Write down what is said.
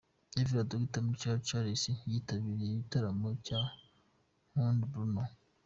Rev Dr Mugisha Charles yitabiriye igitaramo cya Mpundu Bruno.